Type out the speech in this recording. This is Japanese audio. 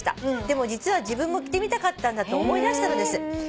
「でも実は自分も着てみたかったんだと思い出したのです」